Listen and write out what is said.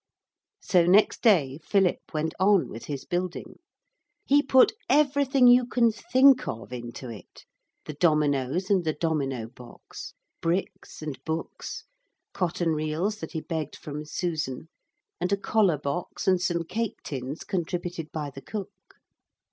So next day Philip went on with his building. He put everything you can think of into it: the dominoes, and the domino box; bricks and books; cotton reels that he begged from Susan, and a collar box and some cake tins contributed by the cook.